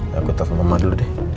ya gue telepon mama dulu deh